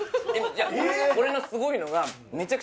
いやこれのすごいのが。